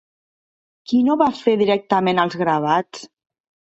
Qui no va fer directament els gravats?